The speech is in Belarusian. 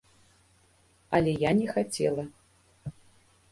Але я не хацела.